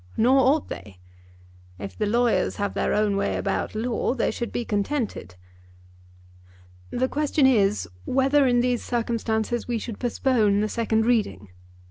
Nor ought they. If the lawyers have their own way about law they should be contented." "The question is, whether in these circumstances we should postpone the second reading?"